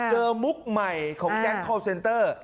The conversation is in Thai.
มุกใหม่ของแก๊งคอลเซนเตอร์